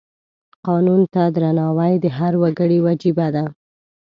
قانون ته درناوی د هر وګړي وجیبه ده.